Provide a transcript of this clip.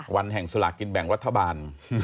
วันแห่งสลากินแบ่งรัฐบาล